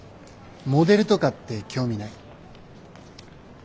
モデルとかって興味ない？